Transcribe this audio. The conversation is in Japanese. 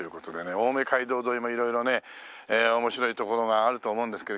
青梅街道沿いも色々ね面白い所があると思うんですけど。